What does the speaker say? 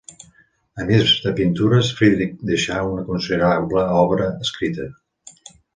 A més de pintures, Friedrich deixà una considerable obra escrita.